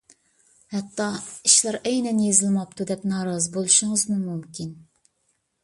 ھەتتا ئىشلار ئەينەن يېزىلماپتۇ دەپ نارازى بولۇشىڭىزمۇ مۇمكىن.